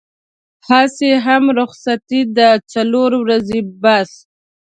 هسې هم رخصتي ده څلور ورځې بس.